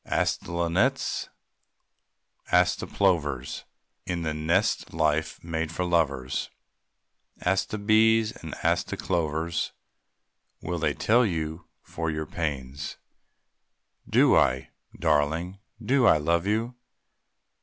Ask the linnets and the plovers, In the nest life made for lovers, Ask the bees and ask the clovers Will they tell you for your pains? Do I, Darling, do I love you?